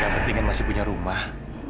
yang penting kan masih punya rumah